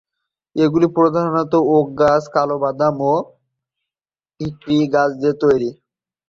এগুলি প্রধানত ওক গাছ, কালো বাদাম ও হিকরি গাছ দিয়ে গঠিত।